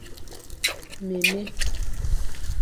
Nmémé.